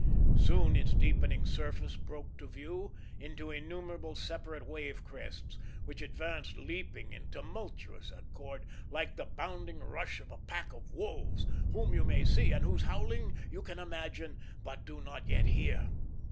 Soon its deepening surface broke to view into innumerable separate wave crests, which advanced leaping in tumultuous accord, like the bounding rush of a pack of wolves, whom you may see, and whose howling you can imagine but do not yet hear.